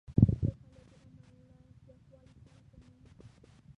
د زړه فعالیت د عمر له زیاتوالي سره کمیږي.